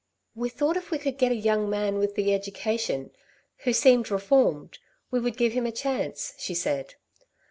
"We thought if we could get a young man with the education, who seemed reformed, we would give him a chance," she said.